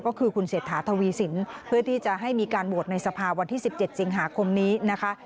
ก็คือคุณเศรษฐาทวีสินเพื่อที่จะให้มีการโหวตในสภาวันที่๑๗สิงหาคมนี้นะคะ